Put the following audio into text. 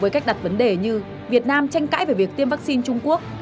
với cách đặt vấn đề như việt nam tranh cãi về việc tiêm vaccine trung quốc